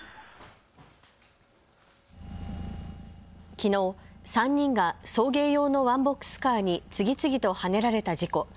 きのう３人が送迎用のワンボックスカーに次々とはねられた事故。